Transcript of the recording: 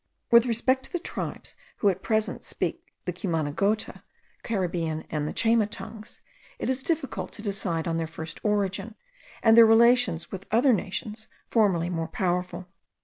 With respect to the tribes who at present speak the Cumanagota, Caribbean, and Chayma tongues, it is difficult to decide on their first origin, and their relations with other nations formerly more powerful.